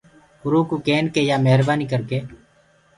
اورو ڪوُ ڪين ڪي يآ مهربآنيٚ ڪر ڪي۔